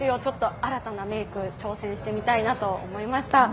新たなメイクに挑戦してみたいなと思いました。